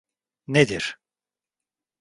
Nedir?